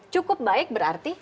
cukup baik berarti